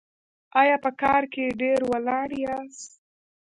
ایا په کار کې ډیر ولاړ یاست؟